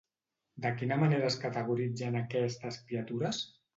De quina manera es categoritzen aquestes criatures?